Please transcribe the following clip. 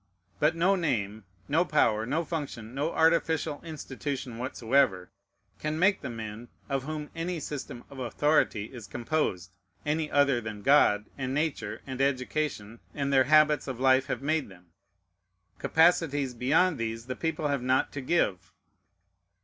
But no name, no power, no function, no artificial institution whatsoever, can make the men, of whom any system of authority is composed, any other than God, and Nature, and education, and their habits of life have made them. Capacities beyond these the people have not to give.